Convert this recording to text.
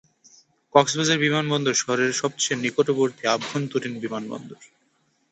কক্সবাজার বিমানবন্দর শহরের সবচেয়ে নিকটবর্তী আভ্যন্তরীণ বিমানবন্দর।